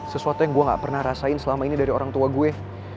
sesuatu yang gue gak pernah rasain selama ini dari orang tua gue